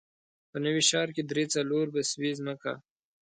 په نوي ښار کې درې، څلور بسوې ځمکه.